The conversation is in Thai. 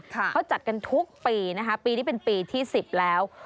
เขาจัดกันทุกปีนะคะปีนี้เป็นปีที่๑๐แล้ว